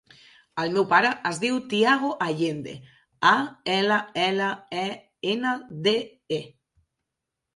El meu pare es diu Tiago Allende: a, ela, ela, e, ena, de, e.